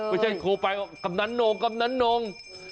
ไม่ใช่โทรไปกำนันโหน